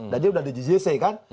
dan dia sudah di jcc kan